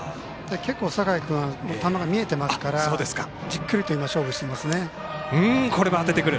結構酒井君は見えてますからじっくり勝負してますね。